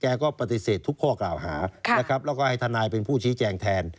แกก็ปฏิเสริฝาทุกข้อกราวหาและให้ท่านายเป็นผู้ชี้แจ้งแทน